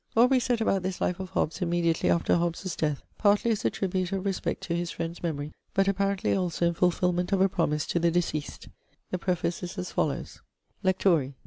Aubrey set about this Life of Hobbes immediately after Hobbes' death, partly as a tribute of respect to his friend's memory, but apparently also in fulfilment of a promise to the deceased. The preface is as follows: 'LECTORI.